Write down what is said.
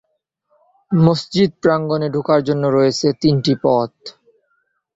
মসজিদ প্রাঙ্গণে ঢোকার জন্য রয়েছে তিনটি পথ।